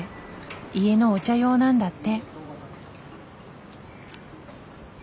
家のお茶用なんだって。